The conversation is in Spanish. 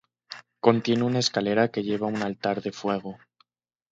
Contiene una escalera que lleva a un altar de fuego.